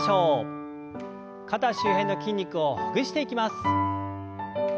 肩周辺の筋肉をほぐしていきます。